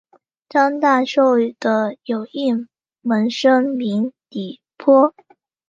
张大受的有一门生名李绂。